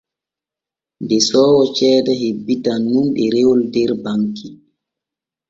Desoowo ceede hebbitan nun ɗerewol der banki.